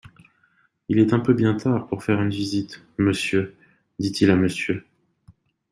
Il est un peu bien tard pour faire une visite, monsieur, dit-il à M.